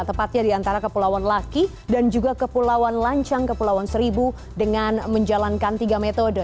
tepatnya di antara kepulauan laki dan juga kepulauan lancang kepulauan seribu dengan menjalankan tiga metode